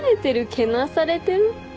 けなされてる？